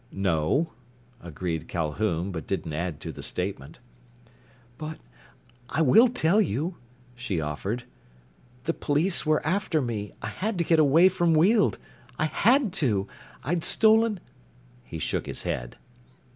"No," agreed Calhoun, but didn't add to the statement. "But I will tell you," she offered. "The police were after me. I had to get away from Weald! I had to! I'd stolen " He shook his head.